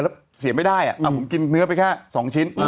แล้วเสียไม่ได้ผมกินเนื้อไปแค่๒ชิ้น